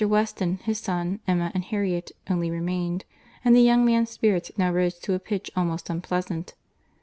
Weston, his son, Emma, and Harriet, only remained; and the young man's spirits now rose to a pitch almost unpleasant.